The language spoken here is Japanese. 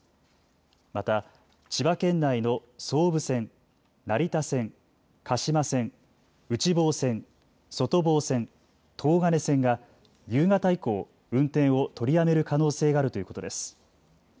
また千葉県内の総武線、成田線、鹿島線、内房線、外房線、東金線が夕方以降、運転を取りやめる可能性があるということです。